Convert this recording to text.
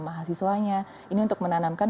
mahasiswanya ini untuk menanamkan